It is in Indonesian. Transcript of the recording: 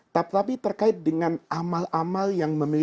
tetapi terkait dengan amal amal yang memimpinnya